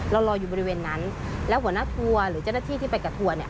รออยู่บริเวณนั้นแล้วหัวหน้าทัวร์หรือเจ้าหน้าที่ที่ไปกับทัวร์เนี่ย